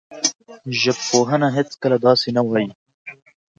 ژبپوهنه هېڅکله داسې نه وايي